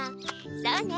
そうね。